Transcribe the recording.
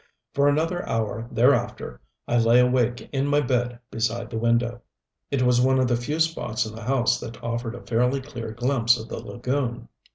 For another hour thereafter I lay awake in my bed beside the window. It was one of the few spots in the house that offered a fairly clear glimpse of the lagoon.